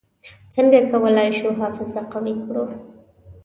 څنګه کولای شو حافظه قوي کړو؟